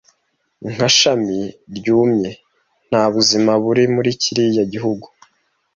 Nka shami ryumye. Nta buzima buri muri kiriya gihugu,